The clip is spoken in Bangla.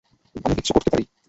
আমি কি কিছু করতে পারি?